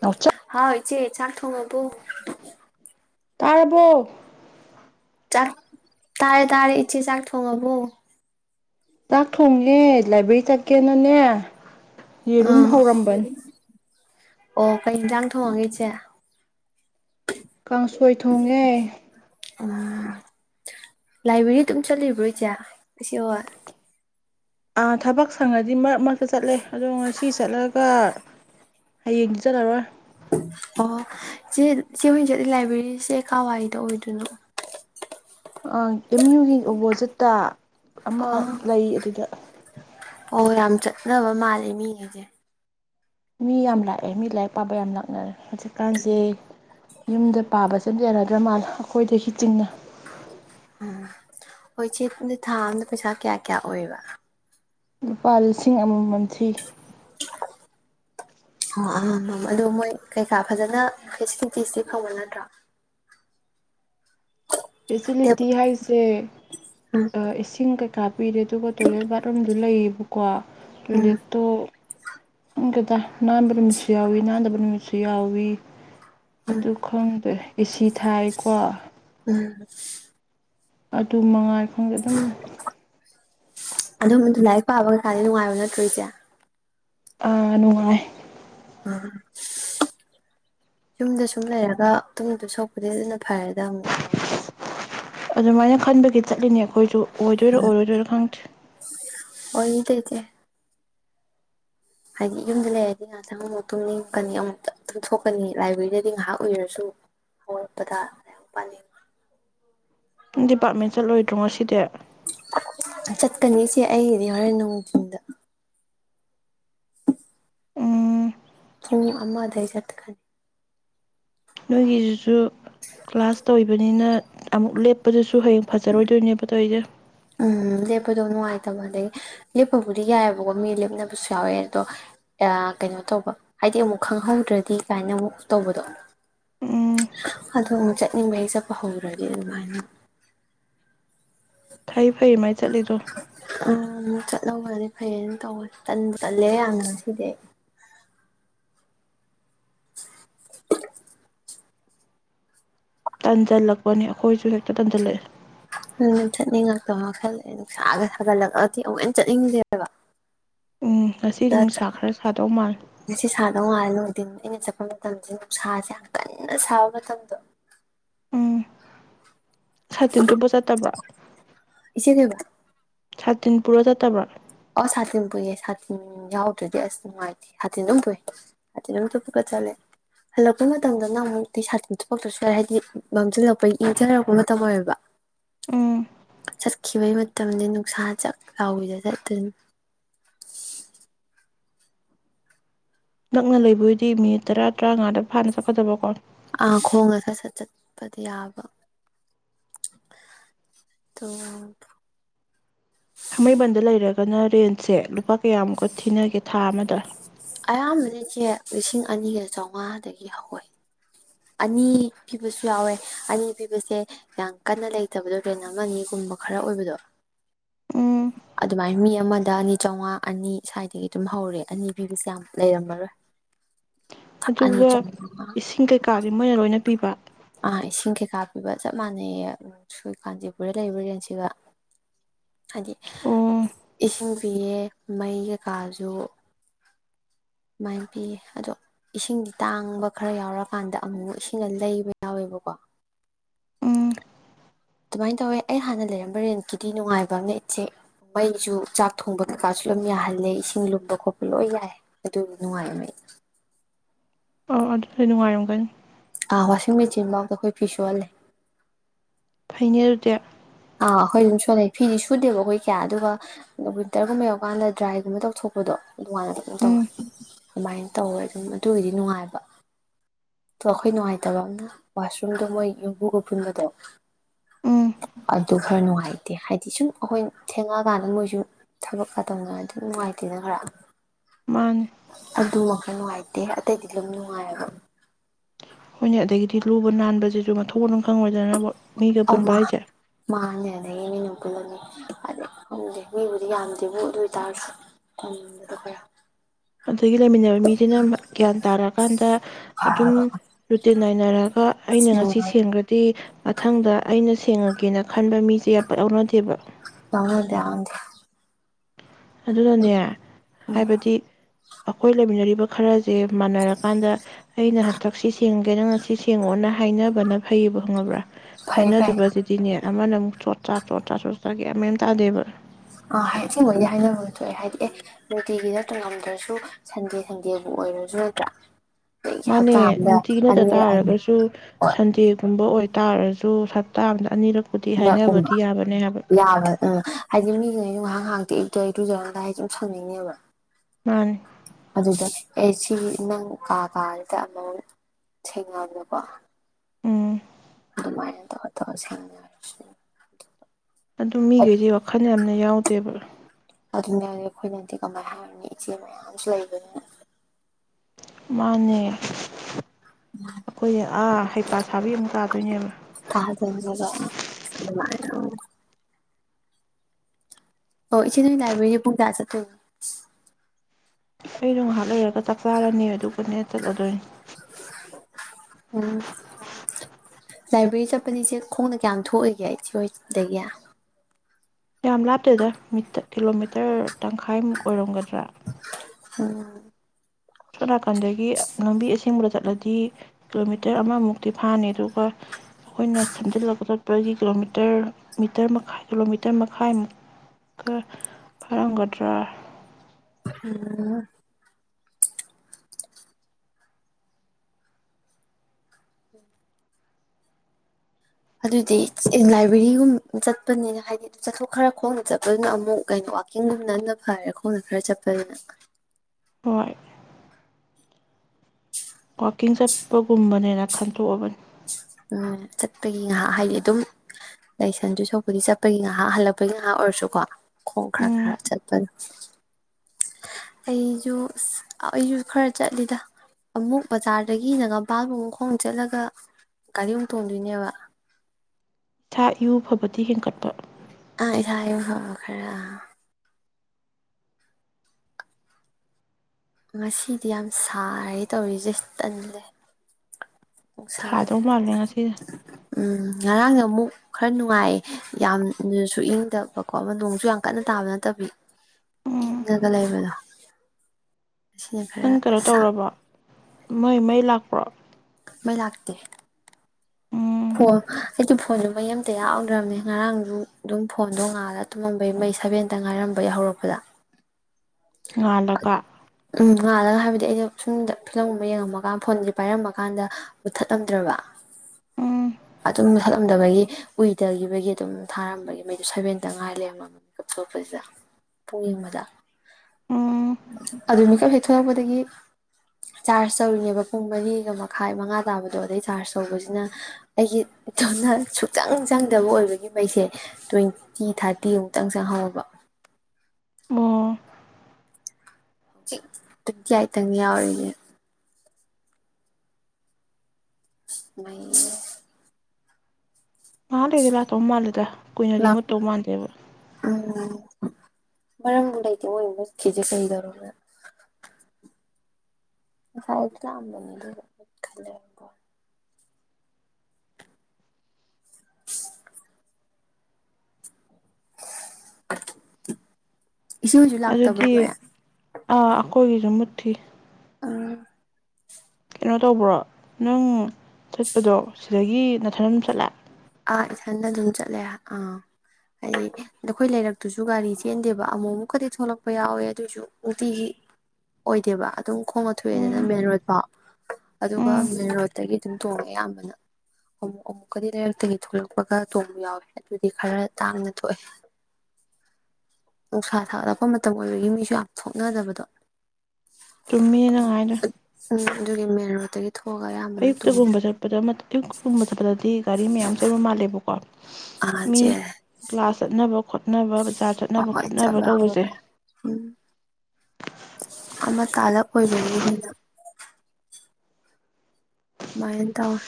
ꯅꯥꯎꯆꯥ ꯍꯥꯏ ꯏ ꯆꯦ ꯆꯥꯛ ꯊꯣꯡꯉꯕꯕꯨ ꯇꯥꯔꯕꯣ ꯆꯥꯛ ꯇꯥꯔꯦ ꯇꯥꯔꯦ ꯏꯆꯦ ꯆꯥꯛ ꯊꯣꯡꯉꯕꯣ ꯆꯥꯛ ꯊꯣꯡꯉꯦ ꯂꯥꯏꯕ꯭ꯔꯦꯔꯤ ꯆꯠꯀꯦꯅꯅꯦ ꯌꯦꯔꯨꯝ ꯑꯥ ꯍꯧꯔꯝꯕꯟ ꯑꯣ ꯀꯩ ꯌꯦꯟꯁꯥꯡ ꯊꯣꯡꯉꯒꯦꯁꯦ ꯀꯥꯡꯁꯣꯏ ꯊꯣꯡꯉꯦ ꯎꯝ ꯂꯥꯏꯕ꯭ꯔꯦꯔꯤ ꯑꯗꯨꯝ ꯆꯠꯂꯤꯕ꯭ꯔꯣ ꯏꯆꯦ ꯏ ꯍ ꯑꯥ ꯊꯕꯛ ꯁꯪꯉꯗꯤ ꯃꯔꯛ ꯃꯔꯛꯇ ꯆꯠꯂꯦ ꯑꯗꯣ ꯉꯁꯤ ꯆꯠꯂꯒ ꯍꯌꯦꯡꯗꯤ ꯆꯠꯂꯔꯣꯏ ꯑꯣ ꯆꯦ ꯆꯦ ꯍꯣꯏ ꯆꯠꯂꯤ ꯂꯥꯏꯕ꯭ꯔꯦꯔꯤꯁꯦ ꯀꯋꯥꯏꯗ ꯑꯣꯏꯗꯣꯏꯅꯣ ꯑꯦꯝ ꯌꯨꯒꯤ ꯑꯣꯄꯣꯖꯤꯠꯇ ꯑꯃ ꯑꯣ ꯂꯩ ꯑꯗꯨꯗ ꯅꯕ ꯃꯥꯜꯂꯦ ꯃꯤꯉꯁꯦ ꯃꯤ ꯌꯥꯝ ꯂꯥꯛꯑꯦ ꯃꯤ ꯂꯥꯏꯔꯤꯛ ꯄꯥꯕ ꯌꯥꯝ ꯂꯥꯛꯅꯔꯦ ꯍꯧꯖꯤꯛꯀꯥꯟꯁꯦ ꯌꯨꯝꯗ ꯄꯥꯕ ꯆ ꯌꯥꯅꯗ꯭ꯔ ꯃꯥꯜꯂ ꯑꯩꯈꯣꯏꯗꯒꯤ ꯆꯤꯡꯅ ꯎꯝ ꯍꯣꯏ ꯆꯦꯗ ꯊꯥ ꯑꯝꯗ ꯄꯩꯁꯥ ꯀꯌꯥ ꯀꯌꯥ ꯑꯣꯏꯕ ꯂꯨꯄꯥ ꯂꯤꯁꯤꯡ ꯑꯃꯃ ꯃꯟꯊ ꯑꯣ ꯑ ꯑꯗꯨ ꯃꯣꯏ ꯀꯩꯀꯥ ꯐꯖꯅ ꯐꯦꯁꯤꯂꯤꯇꯤꯁꯇꯤ ꯐꯪꯕ ꯅꯠꯇ꯭ꯔꯣ ꯐꯦꯁꯤꯂꯤꯇꯤ ꯍꯥꯏꯁꯦ ꯎꯝ ꯏꯁꯤꯡ ꯀꯩ ꯀꯥꯞꯄꯤꯔꯦ ꯑꯗꯨꯒ ꯇꯣꯏꯂꯦꯠ ꯕꯥꯠꯔꯨꯝꯗꯨ ꯂꯩꯌꯦꯕꯀꯣ ꯂꯣ ꯎꯝ ꯏꯀ ꯀꯠꯇ ꯅꯥꯟ ꯕ ꯅꯨꯃꯤꯁꯤ ꯌꯥꯎꯋꯏ ꯅꯥꯗꯕꯔ ꯅꯨꯃꯤꯁ ꯇꯌꯥꯋꯕꯤ ꯑꯗꯨ ꯈꯪꯗ꯭ꯔꯦ ꯑ°ꯁꯤ ꯊꯥꯏꯀꯣ ꯑꯗꯨ ꯃꯉꯥꯏ ꯈꯪꯗꯦ ꯑꯗꯨꯝ ꯑꯗꯨꯝ ꯑꯗꯨ ꯂꯥꯏꯔꯤꯛ ꯄꯥꯕ ꯀꯩꯀꯥꯗꯤ ꯅꯨꯡꯉꯥꯏꯕ ꯅꯠꯇ꯭ꯔꯣꯏꯁꯦ ꯑꯥ ꯅꯨꯡꯉꯥꯏ ꯎꯝ ꯌꯨꯝꯗ ꯁꯨꯝ ꯂꯩꯔꯒ ꯇꯨꯝꯗꯣꯏ ꯁꯣꯛꯄꯗꯤ ꯑꯗꯨꯅ ꯐꯔꯦꯗ ꯑꯃꯨꯛ ꯑꯗꯨꯃꯥꯏꯅ ꯈꯟꯕꯒꯤ ꯆꯠꯂꯤꯅꯦ ꯑꯩꯈꯣꯏꯁꯨ ꯑꯣꯏꯗꯣꯏꯔꯣ ꯑꯣꯏꯔꯣꯏꯗꯣꯏꯔꯣ ꯈꯪꯗ꯭ꯔꯦ ꯑꯣꯏꯅꯤꯗ ꯏꯆꯦ ꯍꯥꯏꯗꯤ ꯌꯨꯝꯗ ꯂꯩꯔꯗꯤ ꯉꯥꯏꯍꯥꯛꯇꯪ ꯑꯃꯨꯛꯇꯨꯝ ꯂꯛꯀꯅꯤ ꯑꯃꯨꯛꯇ ꯑꯗꯨꯝ ꯊꯣꯛꯀꯅꯤ ꯂꯥꯏꯕ꯭ꯔꯦꯔꯤꯗꯗꯤ ꯉꯥꯏꯍꯥꯛ ꯎꯏꯔꯁꯨ ꯍꯧꯔꯛꯄꯗ ꯄꯥ ꯗꯤꯄꯥꯔꯠꯃꯦꯟ ꯆꯠꯂꯣꯏꯗ꯭ꯔꯣ ꯉꯁꯤꯗꯤ ꯆꯠꯀꯅꯤ ꯏꯆꯦ ꯑꯩꯗꯤ ꯍꯣꯔꯦꯟ ꯅꯣꯡꯊꯤꯟꯗ ꯎꯝ ꯑꯃꯗꯩ ꯆꯠꯀꯅꯤ ꯅꯣꯏꯒꯤꯁꯤꯁꯨ ꯀ꯭ꯂꯥꯁ ꯇꯧ ꯂꯩꯕꯅꯤꯅ ꯑꯃꯨꯛ ꯂꯦꯞꯄꯗꯁꯨ ꯁꯨ ꯍꯌꯦꯡ ꯐꯖꯔꯣꯏꯗꯣꯏꯅꯦꯕ ꯇꯧꯏꯁꯦ ꯑꯥ ꯂꯦꯞꯄꯗꯣ ꯅꯨꯡꯉꯥꯏꯇꯕ ꯑꯗꯒꯤ ꯂꯦꯞꯄꯕꯨꯗꯤ ꯌꯥꯏꯑꯕꯀꯣ ꯃꯤ ꯂꯦꯞꯅꯕꯁꯨ ꯌꯥꯎꯋꯦ ꯑꯗꯣ ꯀꯩꯅꯣ ꯇꯧꯕ ꯍꯥꯏꯗꯤ ꯑꯃꯨꯛ ꯈꯪꯍꯧꯗ꯭ꯔꯗꯤ ꯀꯥꯏꯅ ꯑꯃꯨꯛ ꯇꯧꯕꯗꯣ ꯎꯝ ꯑꯗꯣ ꯑꯃꯨꯛ ꯆꯠꯅꯤꯡꯕ ꯍꯦꯛ ꯆꯠꯄ ꯍꯧꯈꯔꯗꯤ ꯑꯗꯨꯃꯥꯏꯅ꯫ ꯐꯩ ꯐꯩ ꯃꯥꯏ ꯆꯠꯂꯤꯗꯣ ꯎꯝ ꯆꯠꯍꯧꯕꯗꯤ ꯐꯩꯌꯦꯅ ꯇꯧꯕ ꯇꯟꯕꯨ ꯇꯜꯂꯦ ꯌꯥꯝꯅ ꯉꯁꯤꯗꯤ꯫ ꯇꯥꯟꯁꯤꯜꯂꯛꯄꯅꯦ ꯑꯩꯈꯣꯏꯁꯨ ꯍꯦꯛꯇ ꯇꯟꯖꯜꯂꯛꯑꯦ ꯑꯗꯨ ꯆꯠꯅꯤꯡꯉꯛꯇꯕ ꯑꯃꯍꯧꯁꯥꯜꯂꯛꯑꯦ ꯅꯨꯡꯁꯥꯒ ꯁꯥꯒꯠꯂꯛꯂꯒꯗꯤ ꯑꯃꯨꯛ ꯍꯦꯟꯅ ꯆꯠꯅꯤꯡꯗꯦꯕ꯫ ꯎꯝ ꯉꯁꯤꯗꯤ ꯅꯨꯡꯁꯥ ꯈꯔ ꯁꯥꯗꯧ ꯃꯥꯜꯂꯦ꯫ ꯉꯁꯤ ꯁꯥꯗꯧ ꯃꯥꯥꯜꯂꯦ ꯅꯨꯡꯊꯤꯟ ꯑꯩꯅ ꯆꯠꯄ ꯃꯇꯝꯁꯦ ꯅꯨꯡꯁꯥꯁꯦ ꯌꯥꯝ ꯀꯟꯅ ꯁꯥꯕ ꯃꯇꯝꯗꯣ꯫ ꯁꯇꯤꯟ ꯇꯨꯞꯄ ꯆꯥꯇꯕ꯭ꯔ ꯏꯆꯦ ꯀꯩꯕ ꯊꯇꯤꯟꯄꯨꯔ ꯆꯠꯇꯕ꯭ꯔꯥ ꯑꯣ ꯁꯥꯇꯤꯟ ꯄꯨꯏꯌꯦ ꯁꯥꯇꯤꯟ ꯌꯥꯎꯗ꯭ꯔꯗꯤ ꯑꯁ ꯅꯨꯡꯉꯥꯏꯇꯦ ꯁꯥꯇꯤꯟ ꯑꯗꯨꯝ ꯄꯨꯏ ꯁꯥꯇꯤꯟ ꯑꯗꯨꯝ ꯊꯨꯞꯄꯒ ꯆꯠꯂꯦ ꯍꯜꯂꯛꯄ ꯃꯇꯝꯗꯅ ꯑꯃꯨꯛꯇꯤ ꯁꯥꯇꯤꯟ ꯊꯨꯞꯄꯛꯇ꯭ꯔꯁꯨ ꯌꯥꯔꯦ ꯍꯥꯏꯗꯤ ꯃꯥꯡꯁꯤꯜꯂꯛꯄ ꯃꯇꯝ ꯑꯣꯏꯔꯦꯕ ꯎꯝ ꯆꯠꯈꯤꯕꯒꯤ ꯃꯇꯝꯗꯤ ꯅꯨꯡꯁꯥ ꯆꯥꯛ ꯂꯥꯎꯋꯗ ꯆꯠ꯫ [unintelligible] ꯅꯛꯅ ꯂꯩꯕꯣꯏꯗꯤ ꯃꯤꯅꯤꯠ ꯇꯔꯥ ꯇꯔꯥꯉꯥꯗ ꯐꯥꯅ ꯆꯠꯀꯗꯕꯀꯣ꯫ ꯑꯥ ꯈꯣꯡꯅ ꯁꯠ ꯁꯠ ꯆꯠꯄꯗꯤ ꯌꯥꯕ ꯑꯗꯣ ꯊꯥꯡꯃꯩꯕꯟꯗ ꯂꯩꯔꯒꯅ ꯔꯦꯟꯁꯦ ꯂꯨꯄꯥ ꯀꯌꯥꯃꯨꯛꯀ ꯊꯤꯅꯒꯦ ꯊꯥ ꯑꯃꯗ꯫ ꯑꯌꯥꯝꯕꯅ ꯏꯆꯦ ꯂꯤꯁꯤꯡ ꯑꯅꯤꯒ ꯆꯥꯝꯃꯉꯥꯗꯒꯤ ꯍꯧꯏ꯫ ꯑꯅꯤ ꯄꯤꯕꯁꯨ ꯌꯥꯎꯋꯦ ꯑꯅꯤ ꯄꯤꯕꯁꯦ ꯌꯥꯝ ꯀꯟꯅ ꯂꯩꯇꯕꯗꯣ ꯔꯦꯟ ꯑꯃꯅꯤꯒꯨꯝꯕ ꯈꯔ ꯑꯣꯏꯕꯗꯣ ꯎꯝ ꯑꯗꯨꯃꯥꯏꯅ ꯃꯤ ꯑꯃꯗ ꯑꯅꯤ ꯆꯥꯝꯃꯉꯥ ꯑꯅꯤ ꯁ꯭ꯋꯥꯏꯗꯒꯤ ꯑꯗꯨꯝ ꯍꯧꯔꯦ ꯑꯅꯤ ꯄꯤꯕꯁꯦ ꯌꯥꯝ ꯂꯩꯔꯝꯃꯔꯣꯏ꯫ ꯑꯅꯤ ꯑꯗꯨꯒ ꯆꯥꯝꯃꯉꯥ ꯏꯁꯤꯡ ꯀꯩ꯫ ꯀꯥꯗꯤ ꯃꯣꯏꯅ ꯂꯣꯏꯅ ꯄꯤꯕ꯫ ꯑꯥ ꯏꯁꯤꯡ ꯀꯩꯀꯥ ꯄꯤꯕ ꯆꯞ ꯃꯥꯟꯅꯩꯌꯦ ꯀꯥꯟꯆꯤꯄꯨꯔꯗ ꯂꯩꯔꯤꯕꯕ ꯔꯦꯟꯁꯤꯒ ꯍꯥꯏꯗꯤ ꯑꯣ ꯏꯁꯤꯡ ꯄꯤꯌꯦ ꯃꯩ ꯀꯩꯀꯥꯁꯨ꯫ ꯑꯗꯨꯃꯥꯏꯅ ꯄꯤꯌꯦ ꯑꯗꯣ ꯏꯁꯤꯡꯗꯤ ꯇꯥꯡꯕ ꯈꯔ ꯌꯥꯎꯔꯀꯥꯟꯗ ꯑꯃꯨꯛ ꯏꯁꯤꯡꯅ ꯂꯩꯕ ꯌꯥꯎꯋꯦꯕꯀꯣ꯫ ꯎꯝ ꯑꯗꯨꯃꯥꯏꯅ ꯇꯧꯋꯦ ꯑꯩ ꯍꯥꯟꯅ ꯂꯩꯔꯝꯕ ꯔꯦꯟꯇꯨꯗꯤ ꯅꯨꯡꯉꯥꯏꯕ ꯑꯃꯅ ꯏꯆꯦ ꯃꯩꯁꯨ ꯆꯥꯛ ꯊꯣꯡꯕ ꯀꯩꯀꯥꯁꯨ ꯑꯗꯨꯝ ꯌꯥꯍꯜꯂꯦ ꯏꯁꯤꯡ ꯂꯨꯝꯕ ꯈꯣꯠꯄ ꯂꯣꯏ ꯌꯥꯏ ꯑꯗꯨ ꯅꯨꯡꯉꯥꯏꯝꯃꯦ꯫ ꯑꯣ ꯑꯗꯨꯁꯨ ꯅꯨꯡꯉꯥꯏꯔꯝꯒꯅꯤ ꯑꯥ ꯋꯥꯁꯤꯡ ꯃꯦꯆꯤꯟ ꯐꯥꯎꯗ ꯑꯩꯈꯣꯏ ꯐꯤ ꯁꯨꯍꯜꯂꯦ ꯐꯥꯏꯅꯦ ꯑꯗꯨꯗꯤ ꯑꯥ ꯑꯩꯈꯣꯏ ꯑꯗꯨꯝ ꯁꯣꯟꯅꯩ ꯐꯤꯗꯤ ꯁꯨꯗꯦꯕ ꯑꯩꯈꯣꯏ ꯀꯌꯥ ꯑꯗꯨꯒ ꯋꯤꯟꯇꯔꯒꯨꯝꯕ ꯌꯧꯔꯀꯥꯟꯗ ꯗ꯭ꯔꯥꯏꯒꯨꯝꯕ ꯇꯧꯊꯣꯛꯄꯗꯣ ꯑꯗꯨꯀꯥꯟꯅ ꯑꯗꯨꯝ ꯇꯧꯋꯦ ꯎꯝ ꯑꯗꯨꯃꯥꯏꯅ ꯇꯧꯋꯦ ꯑꯗꯨꯝ ꯑꯗꯨꯒꯤꯗꯤ ꯅꯨꯡꯉꯥꯏꯕ ꯑꯩꯈꯣꯏ ꯅꯨꯡꯉꯥꯏꯇꯕ ꯑꯃꯅ ꯋꯥꯁꯔꯨꯝꯗꯣ ꯃꯣꯏ ꯌꯨꯝꯕꯨꯒ ꯄꯨꯟꯕꯗꯣ ꯎꯝ ꯑꯗꯨ ꯈꯔ ꯅꯨꯡꯉꯥꯏꯇꯦ ꯍꯥꯏꯗꯤ ꯁꯨꯝ ꯑꯩꯈꯣꯏ ꯊꯦꯡꯉꯛꯑꯀꯥꯟꯗ ꯃꯣꯏꯁꯨ ꯊꯕꯛꯀ ꯇꯧꯅꯔ ꯀꯥꯟꯗ ꯑꯗꯨꯝ ꯅꯨꯡꯉꯥꯏꯇꯦꯅ ꯈꯔ ꯃꯥꯅꯤ ꯑꯗꯨꯃ ꯈꯔ ꯅꯨꯡꯉꯥꯏꯇꯦ ꯑꯇꯩꯗꯤ ꯑꯗꯨꯝ ꯅꯨꯡꯉꯥꯏꯔꯕ꯫ ꯍꯣꯏꯅꯦ ꯑꯗꯒꯤꯗꯤ ꯂꯨꯕ ꯅꯥꯟꯕꯁꯤꯁꯨ ꯃꯊꯣꯡ ꯃꯔꯝ ꯈꯪꯉꯣꯏꯗꯅꯕ꯫ ꯑꯃ ꯃꯥꯅꯦ ꯑꯗꯒꯤ ꯃꯤꯅ ꯄꯨꯜꯂꯝꯅꯤ ꯑꯩ ꯈꯪꯗꯦ ꯃꯤꯕꯨꯗꯤ ꯌꯥꯝꯗ꯭ꯦꯕꯨ ꯑꯗꯨ ꯑꯣꯏꯇꯥꯔꯁꯨ ꯇꯟꯕꯗꯣ ꯈꯔ꯫ ꯑꯗꯒꯤ ꯂꯩꯃꯤꯟꯅꯕ ꯃꯤꯁꯤꯅ ꯒ꯭ꯌꯥꯟ ꯇꯥꯔꯀꯥꯟꯗ ꯑꯗꯨꯝ ꯈꯔ ꯔꯨꯇꯤꯟ ꯅꯥꯏꯅꯔꯒ ꯑꯩꯅ ꯉꯁꯤ ꯁꯦꯡꯈ꯭ꯔꯗꯤ꯫ ꯃꯊꯪꯗ ꯑꯩꯅ ꯁꯦꯡꯉꯒꯦꯅ ꯈꯟꯕ ꯃꯤꯁꯦ ꯌꯥꯝ ꯄꯥꯛ ꯌꯥꯎꯅꯗꯦꯕ꯫ ꯌꯧꯅꯗꯦ ꯌꯧꯅꯗꯦ ꯑꯗꯨꯅꯅꯦ ꯍꯥꯏꯕꯗꯤ ꯑꯩꯈꯣꯏ ꯂꯩꯃꯤꯟꯅꯔꯤꯕ ꯈꯔꯁꯦ ꯃꯥꯟꯅꯔꯀꯥꯟꯗ ꯑꯩꯅ ꯍꯟꯇꯛ ꯁꯤ ꯁꯦꯡꯒꯦ ꯅꯪꯅ ꯁꯤ ꯁꯦꯡꯉꯣꯅ ꯍꯥꯏꯅꯕꯅ ꯐꯩꯌꯦꯕ ꯈꯪꯉꯕ꯭ꯔꯥ꯫ ꯐꯩ ꯐꯩ ꯍꯥꯏꯅꯗꯕꯁꯤꯗꯤꯅꯦ꯫ ꯑꯃꯅ ꯑꯃꯨꯛ ꯆꯣꯠ ꯆ꯭ꯔꯥ ꯆꯣꯠ ꯆ꯭ꯔꯥ ꯆꯣꯠ ꯆ꯭ꯔꯥ ꯒꯌꯥꯟ ꯃꯦꯟ ꯑꯃ ꯇꯥꯗꯦꯕ꯫ ꯑꯥ ꯁꯦꯡꯕꯩꯗꯤ ꯍꯥꯏꯅꯐꯝ ꯊꯣꯛꯑꯦ ꯍꯥꯏꯗꯤ ꯑꯦ ꯅꯨꯡꯇꯤꯒꯤ ꯅꯠꯇꯁꯨ ꯉꯝꯗ꯭ꯔꯁꯨ ꯁꯟꯗꯦ ꯁꯟꯗꯦꯕꯨ ꯑꯣꯏꯔꯁꯨ ꯅꯠꯇꯔꯥ꯫ ꯃꯥꯅꯦ ꯅꯨꯡꯇꯤꯒꯤꯅꯗ ꯇꯥꯔꯒꯁꯨ ꯁꯟꯗꯦꯒꯨꯝꯕ ꯑꯣꯏ ꯇꯥꯔꯁꯨ ꯁꯞꯇꯥ ꯑꯃꯗ ꯑꯅꯤꯔꯛ ꯎ ꯌꯥꯕ ꯑ ꯍꯥꯏꯗꯤ ꯃꯤꯉ ꯅꯍꯥꯛꯇꯤꯔꯨꯖꯔꯒ ꯍꯥꯏꯁꯦ ꯑꯗꯨꯨꯝ ꯁꯪꯅꯅꯦꯕ ꯃꯥꯅꯤ ꯑꯗꯨꯗꯁꯤ ꯅꯪ ꯀꯥ ꯀꯥꯗ ꯑꯃꯛ ꯊꯦꯡꯉꯗꯀꯣ ꯎꯝ ꯑꯗꯨ ꯃꯥꯏꯗ ꯊ ꯁ ꯑꯗꯨ ꯃꯤꯒꯤꯗꯤ ꯋꯥꯈꯜ ꯌꯥꯝꯅ ꯌꯥꯎ ꯇꯦꯕꯜ ꯑꯗꯨꯅꯦ ꯑꯩꯈꯣꯏꯅꯗꯤ ꯀꯃꯥꯏꯅ ꯍꯥꯏꯔꯅꯤ ꯏꯆꯦ ꯃꯌꯥꯝꯁꯨ ꯂꯩꯕꯅꯤꯅ ꯃꯥꯅꯦ ꯑꯩꯈꯣꯏꯒꯤ ꯑꯥ ꯍꯩꯄꯥ ꯁꯥꯕꯤ ꯑꯃꯨ ꯇꯥꯗꯣꯏꯅꯦꯕ ꯊꯥꯖ ꯑꯣ ꯏꯆꯦ ꯅ ꯂꯥꯏꯕ꯭ꯔꯦꯔꯤ ꯄꯨꯛꯇ ꯆ ꯊ ꯑꯩꯩꯅꯣ ꯉꯥꯏꯍꯥꯛ ꯂꯩꯔꯒ ꯆꯥꯛꯇꯥꯔꯅꯤ ꯑꯗꯨꯒꯅꯦ ꯆꯠꯂꯗꯣꯏꯅꯤ ꯎꯝ ꯂꯥꯏꯕ꯭ꯔꯦꯔꯤ ꯆꯠꯄꯅꯤꯁꯦ ꯈꯣꯡꯅ ꯀꯌꯥꯝ ꯊꯣꯛꯏꯒꯦ ꯏꯆꯦ ꯍꯣꯏꯗꯒꯤ ꯌꯥꯝ ꯂꯥꯞꯇꯦꯗ ꯃꯤꯠꯇ ꯀꯤꯂꯣꯃꯤꯇꯔ ꯇꯪꯈꯥꯏꯃꯨꯛ ꯑꯣꯏꯔꯝꯒꯗ꯭ꯔꯥ ꯍꯝ ꯗ ꯑꯗꯒꯤ ꯂꯝꯕꯤ ꯑꯁꯤꯡꯕ ꯆꯠꯂꯗꯤ ꯀꯤꯂꯣꯃꯤꯇꯔ ꯑꯃꯃꯨꯛꯇꯤ ꯐꯥꯅꯤ ꯑꯗꯨꯒ ꯑꯩꯈꯣꯏꯅ ꯁꯝꯖꯤꯜꯂꯒ ꯆꯠꯄꯒꯤ ꯀꯤꯂꯣꯃꯤꯇꯔ ꯃꯤꯇꯔ ꯃꯈꯥꯏ ꯀꯤꯂꯣꯃꯤꯇꯔ ꯃꯈꯥꯏꯃꯨꯛꯀ ꯐꯥꯔꯝꯒꯗ꯭ꯔꯥ ꯑꯝ ꯑꯗꯨꯗꯤ ꯂꯥꯏꯕ꯭ꯔꯦꯔꯤꯒꯨꯝꯕ ꯆꯠꯄꯅꯤꯅ ꯍꯥꯏꯗꯤ ꯑꯗꯨ ꯆꯠꯊꯣꯛ ꯈꯔ ꯈꯣꯡꯅ ꯆꯠꯄꯗꯨꯅ ꯑꯃꯨꯛ ꯀꯩꯅꯣ ꯋꯥꯛꯀꯤꯡꯒꯨꯝꯕꯅꯟꯅ ꯐꯔꯦ ꯈꯣꯡꯅ ꯈꯔ ꯆꯠꯄꯅꯤꯅ ꯍꯣꯏ ꯋꯥꯛꯀꯤꯡ ꯆꯠꯄꯒꯨꯝꯕꯅꯦꯅ ꯈꯟꯇꯣꯛꯑꯕꯅꯤ ꯎꯝ ꯆꯠꯄꯒꯤ ꯉꯥꯏꯍꯥꯛ ꯍꯥꯏꯗꯤ ꯑꯗꯨꯝ ꯂꯥꯏꯁꯟꯗꯨ ꯁꯄꯗꯤ ꯆꯠꯄꯒꯤ ꯉꯥꯏꯍꯥꯛ ꯍꯜꯂꯛꯄꯒꯤ ꯉꯥꯏꯍꯥꯛ ꯑꯣꯏꯔꯁꯨꯀꯣ ꯈꯣꯡ ꯈꯔ ꯎꯝ ꯈꯔ ꯆꯠꯄꯗꯣ ꯑꯩꯁꯨ ꯑꯩꯁꯨ ꯈꯔ ꯆꯠꯂꯤꯗ ꯑꯃꯨꯛ ꯕꯖꯥꯔꯗꯒꯤꯅ ꯉꯄꯥꯕ ꯃꯈ ꯈꯣꯡ ꯆꯠꯂꯒ ꯒꯥꯔꯤꯃꯨꯛ ꯇꯣꯡꯗꯣꯏꯅꯦꯕ ꯥ ꯏꯎ ꯐꯕꯗꯤ ꯍꯦꯟꯒꯠꯄ ꯑ ꯊꯨ ꯍꯥꯎ ꯈꯔ ꯉꯁꯤꯗꯤ ꯌꯥꯝ ꯁꯥꯔꯦ ꯇꯧꯔꯤꯁꯦ ꯇꯜꯂꯦ ꯄꯁꯁꯦ ꯁꯥꯗꯧ ꯃꯥꯜꯂꯦ ꯉꯁꯤꯁꯦ ꯎꯝ ꯉꯔꯥꯡꯗ ꯑꯃꯨꯛ ꯈꯔ ꯅꯨꯡꯉꯥꯏꯌꯦ ꯌꯥꯝꯅꯁꯨ ꯏꯪꯗꯕꯀꯣ ꯅꯣꯡꯁꯨ ꯌꯥꯝ ꯀꯟꯅ ꯇꯥꯕ ꯅꯠꯇꯕꯤ ꯎꯝ ꯏꯪꯉꯒ ꯂꯩꯕꯗꯣ ꯑꯁꯤꯅ ꯅꯪ ꯈꯔ ꯀꯩꯅꯣ ꯁꯥ ꯇꯧꯔꯕ ꯃꯩ ꯃꯩ ꯂꯥꯛꯄ꯭ꯔꯣ ꯃꯩ ꯂꯥꯛꯇꯦ ꯎꯝ ꯐꯣꯟ ꯑꯩꯗꯤ ꯐꯣꯟꯗꯣ ꯃꯩ ꯑꯇ ꯌꯥꯎꯗ꯭ꯔꯕꯅꯦ ꯉꯔꯥꯡꯁꯨ ꯑꯗꯨꯝ ꯐꯣꯟꯗꯣ ꯉꯥꯜꯂ ꯇꯨꯝꯃꯝꯕꯩ ꯃꯩ ꯁꯚꯦꯟꯇ ꯉꯥꯏꯔꯝꯕꯩ ꯍꯧꯔꯛꯄꯗ ꯉꯥꯜꯂꯒ ꯎꯝ ꯑ ꯍꯥꯏꯕꯗꯤ ꯑꯩꯅ ꯁꯣꯨꯝꯗ ꯐꯤꯂꯝꯒꯨꯝꯕ ꯌꯦꯡꯉꯝꯃꯀꯥꯟ ꯐꯣꯟꯁꯦ ꯄꯥꯏꯔꯝꯃꯀꯥꯟꯗ ꯃꯨꯊꯠꯂꯝꯗ꯭ꯔꯕ ꯎꯝ ꯑꯗꯨꯝ ꯊꯠꯂꯝꯗꯕꯒꯤ ꯎꯨꯏꯗꯈꯤꯕꯒꯤ ꯑꯗꯨꯝ ꯊꯥꯔꯝꯕꯒꯤ ꯃꯩꯗꯣ ꯁꯦꯚꯦꯟꯇ ꯉꯥꯏ ꯂꯩꯔꯝꯃ ꯃꯦꯀꯞ ꯊꯣꯛꯂꯛꯄꯁꯤꯗ ꯄꯨꯡ ꯌꯦꯡꯕꯗ ꯎꯝ ꯑꯗꯨ ꯃꯤꯀꯞ ꯍꯦꯛ ꯊꯣꯛꯂꯛꯄꯗꯒꯤ ꯆꯥꯔꯖ ꯇꯧꯔꯤꯅꯦꯕ ꯄꯨꯡ ꯃꯔꯤꯒ ꯃꯈꯥꯏ ꯃꯉꯥ ꯇꯥꯕꯗꯣ ꯑꯗꯩ ꯆꯥꯔꯖ ꯇꯧꯕꯁꯤꯅ ꯑꯩꯒꯤ [unintelligible] ꯁꯨꯆꯪ ꯆꯪꯗꯕ ꯑꯣꯏꯕꯒꯤ ꯃꯩꯁꯦ ꯇ꯭ꯋꯦꯟꯇꯤ ꯊꯥꯔꯇꯤ ꯑꯃꯨꯛꯇꯪ ꯆꯪꯍꯧꯕ꯫ ꯑꯣ ꯖꯤ [unintelligible] ꯇꯪ ꯌꯥꯎꯔꯤꯌꯦ꯫ ꯃꯩ ꯅꯍꯥꯛ ꯂꯩꯔꯒꯥ ꯂꯛꯇꯧ ꯃꯜꯂꯤꯗ꯫ ꯀꯨꯏꯅꯗꯤ ꯃꯨꯠꯇꯧ ꯃꯥꯟꯗꯦꯕ꯫ ꯎ ꯃꯔꯝꯕꯨ ꯂꯩꯇꯦ ꯑꯣꯏ ꯃꯨꯠꯈꯤꯁꯦ ꯀꯩꯗꯧꯔꯣ ꯉꯁꯥꯏ ꯂꯥꯛꯑꯝꯕꯅꯤ ꯑꯗꯨꯒꯠ [inaudible] ꯏꯆꯦ ꯍꯣꯏꯁꯨ ꯂꯥꯛꯇꯕ꯭ꯔꯣ ꯑꯗꯨꯗꯤ ꯃꯌꯥꯝ ꯑꯩꯈꯣꯏꯒꯤꯁꯨ ꯃꯨꯠ ꯊꯤ ꯑ ꯀꯩꯅꯣ ꯇꯧꯕ꯭ꯔꯣ ꯅꯪ ꯆꯠꯄꯗꯣ ꯁꯤꯗꯒꯤ ꯅꯥꯊꯟ ꯑꯃꯝ ꯆꯠꯂꯦ? ꯑꯥ ꯏꯁꯟꯗ ꯑꯗꯨꯝ ꯆꯠꯂꯦ ꯑꯥ ꯍꯥꯏꯗꯤ ꯅꯈꯣꯏ ꯂꯩꯔꯛꯇꯨꯁꯨ ꯒꯥꯔꯤ ꯆꯦꯟꯗꯦꯕ ꯑꯃꯨꯛ ꯑꯃꯨꯛꯀꯗꯤ ꯊꯣꯛꯂꯛꯄ ꯌꯥꯎꯋꯦ ꯑꯗꯨꯏꯁꯨ ꯅꯨꯡꯇꯤꯒꯤ ꯑꯣꯏꯗꯦꯕ ꯑꯗꯨꯝ ꯈꯣꯡꯅ ꯊꯣꯛꯑꯦꯗꯅ ꯎꯝ ꯃꯦꯟ ꯔꯣꯗ ꯐꯥꯎ ꯑꯗꯨꯒ ꯎꯝ ꯃꯦꯟ ꯔꯣꯇꯒꯤ ꯑꯗꯨꯝ ꯇꯣꯡꯉꯦ ꯑꯌꯥꯝꯕꯅ ꯑꯃꯨꯛ ꯑꯃꯨꯛꯀꯗꯤ ꯂꯩꯔꯛ ꯇꯒꯤ ꯊꯣꯛꯂꯛꯄꯒ ꯇꯣꯡꯕ ꯌꯥꯎꯋꯦ ꯑꯗꯨꯗꯤ ꯈꯔ ꯇꯥꯡꯅ ꯊꯣꯛꯑꯦ꯫ ꯅꯨꯡꯁꯥ ꯁꯥꯒꯠꯂꯛꯄ ꯃꯇꯝ ꯑꯣꯏꯕꯒꯤ ꯃꯤꯁꯨ ꯌꯥꯝ ꯊꯣꯛꯅꯗꯕꯗꯣ꯫ ꯆꯨꯝꯃꯤꯅꯦ ꯅꯪ ꯍꯥꯏꯗꯣ ꯫ ꯎꯝ ꯑꯗꯨꯒꯤ ꯃꯦꯟ ꯔꯣꯗꯇꯒꯤ ꯊꯣꯛꯑꯒ ꯑꯌꯥꯝꯕꯅ ꯇꯣꯡꯉꯦ ꯑꯌꯨꯛꯇꯒꯨꯝꯕ ꯆꯠꯄꯗ ꯑꯃ ꯑꯌꯨꯛ ꯀꯨꯝꯕ ꯆꯠꯄꯗꯗꯤ ꯒꯥꯔꯤ ꯃꯌꯥꯝ ꯆꯠꯕ ꯃꯥꯜꯂꯦꯕꯣ ꯑꯥ [inaudible] ꯃꯤ ꯆꯦꯜꯂꯦ ꯀ꯭ꯂꯥꯁ ꯆꯠꯅꯕꯥ ꯈꯠꯅꯕ ꯍꯣꯏ [unintelligible] ꯎꯝ ꯑꯃ ꯇꯥꯂꯛ ꯑꯣꯏꯕꯒꯤ ꯈꯣꯏꯅꯥ ꯃꯥꯌꯦꯟ ꯇꯣꯌꯥ꯫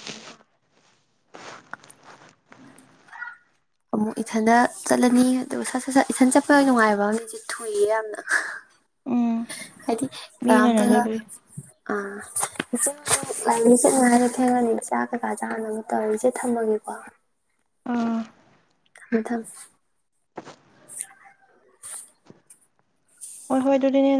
ꯑꯃꯨꯛ ꯏꯊꯟꯗ ꯆꯠꯂꯅꯤ ꯑꯗꯨꯒ ꯁꯠ - ꯁꯠ - ꯁꯠ ꯏꯊꯟ ꯆꯠꯄꯗ ꯅꯨꯡꯉꯥꯏꯕ ꯏꯆꯦ ꯊꯨꯏꯌꯦ ꯌꯥꯝꯅ꯫ ꯍꯥꯏꯗꯤ ꯃꯤ ꯀꯅꯝꯇꯒꯥ ꯉꯟꯅꯗꯕꯩ ꯑꯥ ꯏꯆꯦ ꯑꯁꯤ ꯂꯥꯏꯕꯔꯦ ꯑꯩ ꯆꯠꯀꯅꯤ ꯍꯥꯌꯗꯣ ꯊꯦꯡꯉꯥꯅꯤ ꯆꯥꯛ ꯀꯩꯀꯥ ꯆꯥꯅꯕ ꯇꯧꯔ ꯏꯆꯦ ꯊꯝꯃꯒꯦꯀꯣ꯫ ꯑꯥ꯫ ꯊꯝꯃꯦ - ꯊꯥꯝꯃꯦ ꯫ ꯍꯣꯏ - ꯍꯣꯏ ꯑꯗꯨꯗꯤꯅꯅꯪ